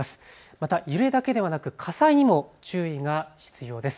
また揺れだけではなく火災にも注意が必要です。